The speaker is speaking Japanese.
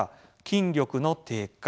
筋力の低下。